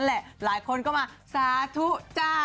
หลายคนก็มาสาธุจ้า